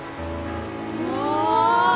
うわ！